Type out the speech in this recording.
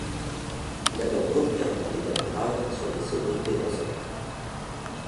Il aborde volontairement des thèmes graves sur des sonorités dansantes.